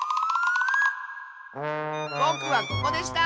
ぼくはここでした！